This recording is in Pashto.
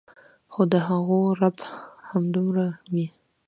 خو د هغو رعب دومره وي